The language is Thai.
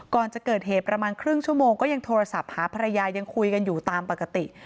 ก่อนจะเกิดเหตุประมาณครึ่งชั่วโมงก็ยังโทรศัพท์หาภรรยายังคุยกันอยู่ตามปกติ